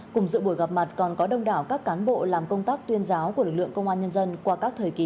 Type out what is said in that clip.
cùng dự buổi gặp mặt còn có đông đảo các cán bộ làm công tác tuyên giáo của lực lượng công an nhân dân qua các thời kỳ